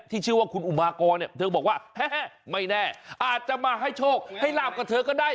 ชื่อว่าคุณอุมากรเนี่ยเธอบอกว่าไม่แน่อาจจะมาให้โชคให้ลาบกับเธอก็ได้